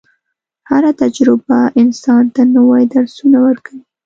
هره تجربه انسان ته نوي درسونه ورکوي.